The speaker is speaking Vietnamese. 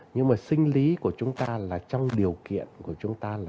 nhưng mà sinh lý của chúng ta là trong điều kiện của chúng ta là